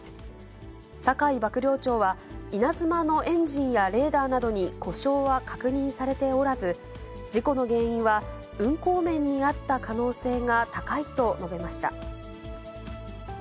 酒井幕僚長は、いなづまのエンジンやレーダーなどに故障は確認されておらず、事故の原因は、運航面にあった可能性が高いと述べました。